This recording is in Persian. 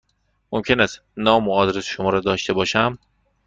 ممکن است نام و آدرس شما را داشته باشم؟